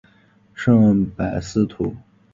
圣帕斯图。